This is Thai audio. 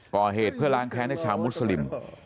ก่อเหตุเพื่อล้างแค้นให้ชาวมุสลิม